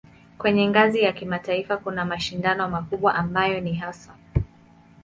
Kwenye ngazi ya kimataifa kuna mashindano makubwa ambayo ni hasa